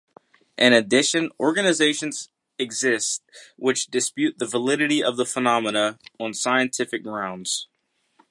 In addition organizations exist which dispute the validity of the phenomena on scientific grounds.